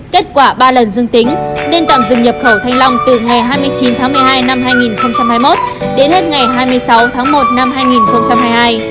kết quả ba lần dương tính nên tạm dừng nhập khẩu thanh long từ ngày hai mươi chín tháng một mươi hai năm hai nghìn hai mươi một đến hết ngày hai mươi sáu tháng một năm hai nghìn hai mươi hai